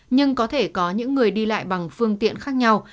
nhưng có thể có những người đi lại bằng phương tiện khác nhau